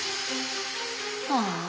ああ。